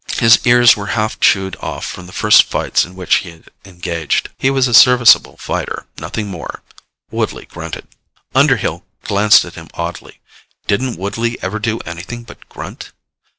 His ears were half chewed off from the first fights in which he had engaged. He was a serviceable fighter, nothing more. Woodley grunted. Underhill glanced at him oddly. Didn't Woodley ever do anything but grunt?